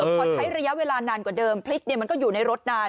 พอใช้ระยะเวลานานกว่าเดิมพริกมันก็อยู่ในรถนาน